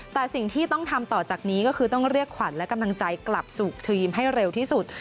แต่สิ่งที่ต้องทำต่อจากนี้ก็คือต้องเรียกขวัญและกำลังใจกลับสู่ทีมให้เร็วที่สุด